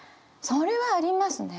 それはありますね。